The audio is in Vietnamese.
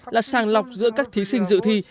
là sàng lọc giữa các thí sinh dự thi